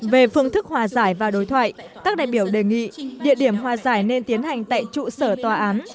về phương thức hòa giải và đối thoại các đại biểu đề nghị địa điểm hòa giải nên tiến hành tại trụ sở tòa án